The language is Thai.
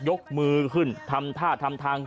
ยกมือขึ้นทำท่าทำทาง